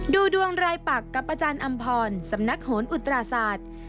ดูดวงรายปักกับอาจารย์อำพรสำนักโหนอุตราศาสตร์